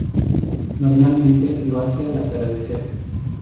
Normalmente lo hace al atardecer.